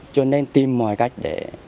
cho nên tìm mọi cách để